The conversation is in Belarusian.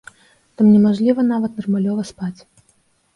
Там не мажліва нават нармалёва спаць.